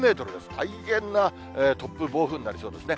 大変な突風、暴風になりそうですね。